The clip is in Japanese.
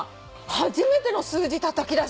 初めての数字たたき出した。